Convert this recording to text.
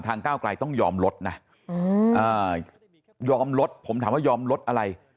ก้าวกลายต้องยอมลดนะยอมลดผมถามว่ายอมลดอะไร